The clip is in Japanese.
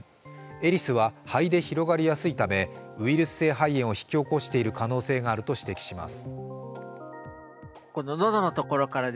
エリスは肺で広がりやすいためウイルス性肺炎を引き起こしている可能性があると指摘します。